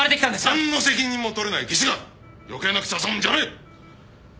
何の責任も取れない技師が余計な口を挟むんじゃない！